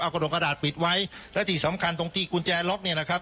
กระดกกระดาษปิดไว้และที่สำคัญตรงที่กุญแจล็อกเนี่ยนะครับ